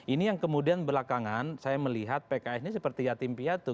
ini yang kemudian belakangan saya melihat pks ini seperti yatim piatu